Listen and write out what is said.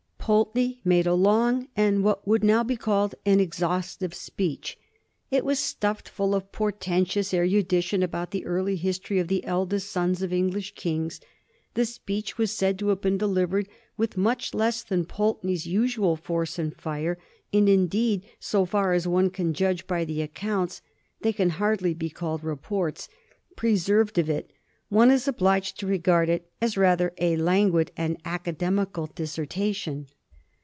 Pulteney made a long and what would now be called an exhaustive speech. It was stuffed full of portentous erudition about the early history of the eldest sons of English kings. The speech was said to have been delivered with much less than Pulteney's usual force and fire ; and indeed, so far as one can judge by the accounts — they can hardly be called re ports — preserved of it, one is obliged to regard it as rather a languid and academical dissertation.